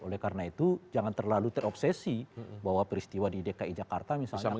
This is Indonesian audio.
oleh karena itu jangan terlalu terobsesi bahwa peristiwa di dki jakarta misalnya